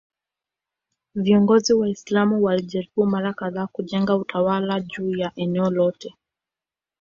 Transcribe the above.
Viongozi Waislamu walijaribu mara kadhaa kujenga utawala juu ya eneo lote.